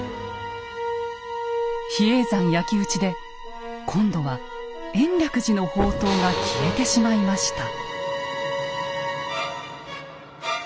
比叡山焼き打ちで今度は延暦寺の法灯が消えてしまいました。